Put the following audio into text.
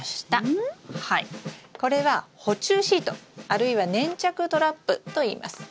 これは捕虫シートあるいは粘着トラップといいます。